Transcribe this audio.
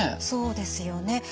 そうですよね。